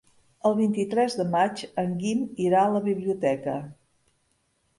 El vint-i-tres de maig en Guim irà a la biblioteca.